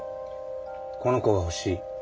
この子が欲しい。